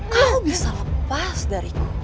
kau bisa lepas dariku